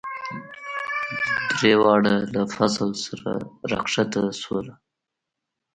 دریواړه له فضل سره راکښته شولو.